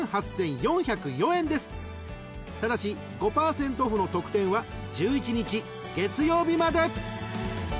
［ただし５％オフの特典は１１日月曜日まで］